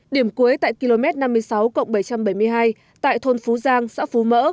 điểm cuối tại km năm mươi sáu bảy trăm bảy mươi hai tại thôn phú giang xã phú mỡ